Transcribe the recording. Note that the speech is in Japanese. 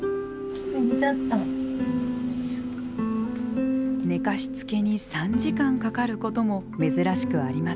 寝かしつけに３時間かかることも珍しくありません。